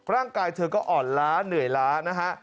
ร่างกายเธอก็อ่อนล้าเหนื่อยล้านะฮะ